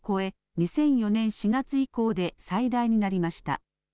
２００４年４月以降で最大になりました。